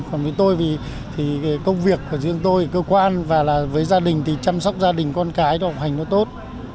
còn với tôi thì công việc của riêng tôi cơ quan và với gia đình thì chăm sóc gia đình con cái hoàn thành nó tốt